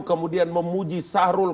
kemudian memuji sahrul